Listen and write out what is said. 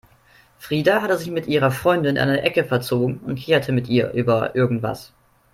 Frida hatte sich mit ihrer Freundin in eine Ecke verzogen und kicherte mit ihr über irgendwas.